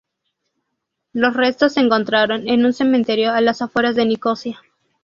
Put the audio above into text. Los restos se encontraron en un cementerio a las afueras de Nicosia.